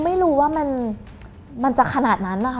ไม่รู้ว่ามันจะขนาดนั้นนะคะ